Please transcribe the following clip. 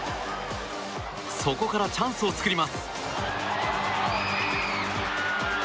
そこからチャンスを作ります。